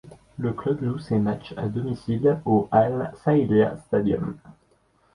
Le club joue ses matchs à domicile au Al-Sailiya Stadium.